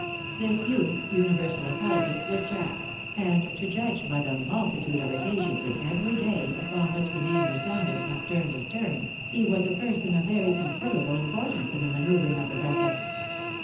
This youth's universal appellative was " Jack,'' and, to judge by the multitude of occasions in every day, upon which the name resounded from stem to stern, he was a person of very considerable importance in the manoeuvring of the vessel.